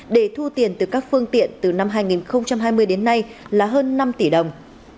để thu tiền từ các phương tiện từ năm hai nghìn hai mươi đến nay là hơn năm tỷ đồng